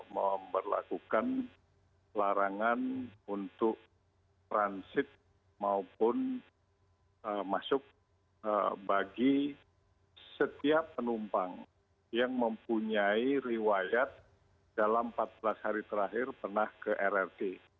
memperlakukan larangan untuk transit maupun masuk bagi setiap penumpang yang mempunyai riwayat dalam empat belas hari terakhir pernah ke rrt